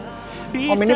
om ini pelaut